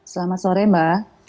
selamat sore mbak